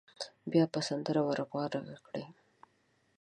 بیا به سندره ور غبرګه کړي.